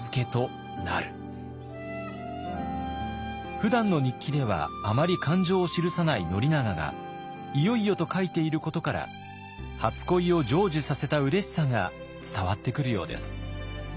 ふだんの日記ではあまり感情を記さない宣長が「いよいよ」と書いていることから初恋を成就させたうれしさが伝わってくるようです。